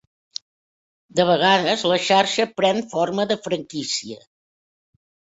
De vegades, la xarxa pren forma de franquícia.